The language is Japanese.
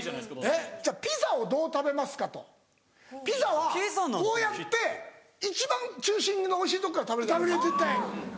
ピザをどう食べますか？とピザはこうやって一番中心のおいしいとこから食べるじゃないですか。